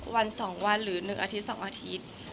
วันสองวันหรือหนึ่งอาทิตย์สองอาทิตย์